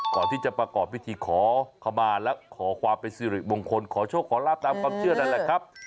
ก่อนที่จะประกอบพิธีขอขมาและขอความเป็นสิริมงคลขอโชคขอลาบตามความเชื่อนั่นแหละครับ